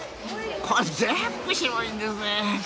全部白いんですね。